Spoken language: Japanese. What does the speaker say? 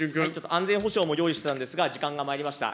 安全保障も用意してたんですが、時間がまいりました。